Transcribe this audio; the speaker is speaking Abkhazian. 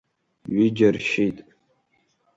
Ҩыџьа ршьит.